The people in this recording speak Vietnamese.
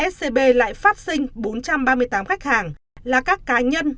scb lại phát sinh bốn trăm ba mươi tám khách hàng là các cá nhân